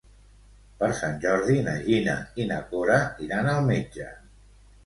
Per Sant Jordi na Gina i na Cora iran al metge.